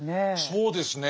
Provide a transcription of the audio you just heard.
そうですね。